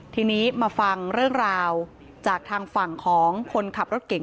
ทีนี้มาฟังเรื่องราวจากทางฝั่งของคนขับรถเก่ง